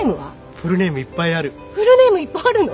フルネームいっぱいあるの？